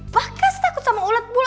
bagas takut sama ulet bulu